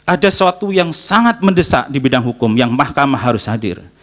ada suatu yang sangat mendesak di bidang hukum yang mahkamah harus hadir